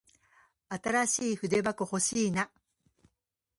新しい筆箱欲しいな。